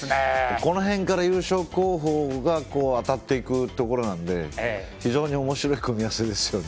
この辺から優勝候補が当たっていくところなので非常におもしろい組み合わせですよね。